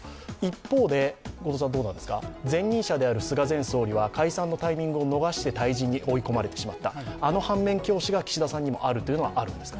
一方で、前任者である菅前総理を解散のタイミングを逃して退陣に追い込まれてしまったあの反面教師が岸田さんにもあるということはあるんですか。